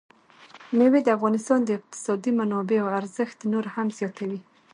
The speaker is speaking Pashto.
مېوې د افغانستان د اقتصادي منابعو ارزښت نور هم زیاتوي.